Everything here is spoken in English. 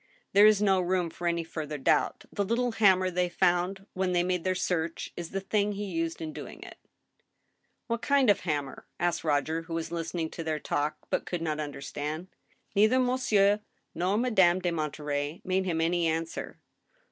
... There is no room for any further doubt. The little hammer they found, when they made their search, is the thing he used m doing it" 154 ^^^ STEEL HAMMER. '• What kind of a hammer ?" asked Roger, who was listening to their talk, but could not understand. Neither Monsieur nor Madame de Monterey made him any answer.